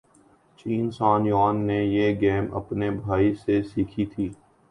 چین San Yuan نے یہ game اپنے بھائی سے سیکھی تھی